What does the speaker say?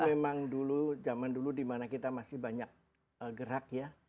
memang dulu zaman dulu dimana kita masih banyak gerak ya